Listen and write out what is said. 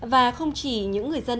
và không chỉ những người việt nam ta